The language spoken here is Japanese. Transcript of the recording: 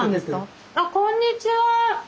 あっこんにちは。